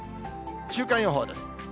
週間予報です。